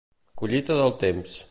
Collita del temps.